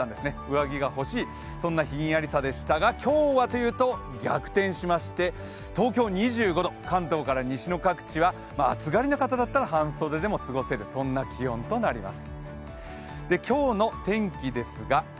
上着が欲しい、そんなひんやりさでしたが今日はというと、逆転しまして東京２５度、関東から西の各地は暑がりな方だったら半袖でも過ごせる気温となります。